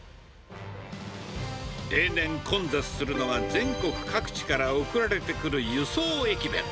例年、混雑するのは、全国各地から送られてくる輸送駅弁。